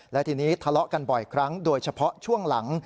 และทีนี้ทะเลาะกันบ่อยครั้งโดยเฉพาะช่วงหลัง